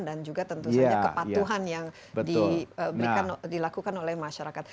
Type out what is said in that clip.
dan juga tentu saja kepatuhan yang dilakukan oleh masyarakat